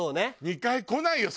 ２回来ないよ！